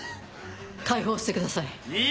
解放してください。